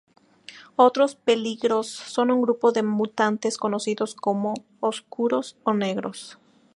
Otros peligros son un grupo de mutantes conocidos como "Oscuros" o "Negros".